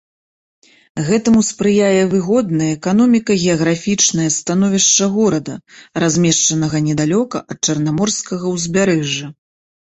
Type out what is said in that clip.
Гэтаму спрыяе выгоднае эканоміка-геаграфічнае становішча горада, размешчанага недалёка ад чарнаморскага ўзбярэжжа.